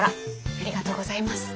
ありがとうございます。